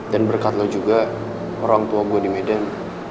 dan berkat lo juga orang tua gue di medan